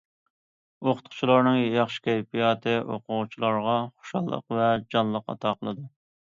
ئوقۇتقۇچىلارنىڭ ياخشى كەيپىياتى ئوقۇغۇچىلارغا خۇشاللىق ۋە جانلىقلىق ئاتا قىلىدۇ.